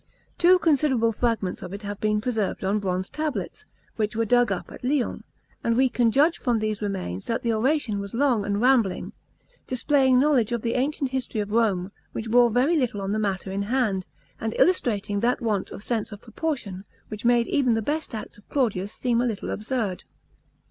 Two considerable fragments of it have been preserved on bronze tablets, which were dug up at Lyons, and we can judge from these remains that the oration was long and rambling, displaying knowledge of the ancient history of Rome, which bore very little on the matter in hand, and illustrating that want of sense of proportion, which made even the best acts of Claudius seem a little absurd.